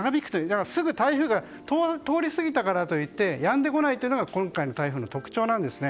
だからすぐ台風が通り過ぎたからといってやんでこないというのが今回の台風の特徴なんですね。